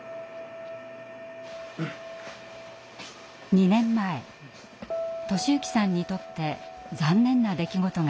２年前寿之さんにとって残念な出来事がありました。